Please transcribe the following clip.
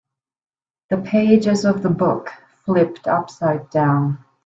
The pages of the book flipped upside down.